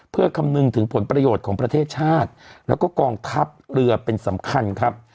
เพื่อคำนึงถึงผลประโยชน์ของประเทศชาติแล้วก็กองทัพเรือเป็นสำคัญครับ